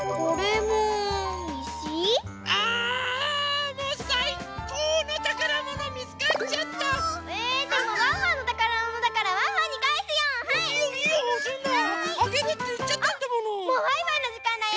もうバイバイのじかんだよ！